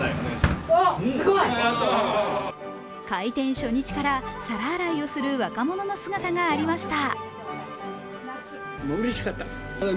開店初日から皿洗いをする若者の姿がありました。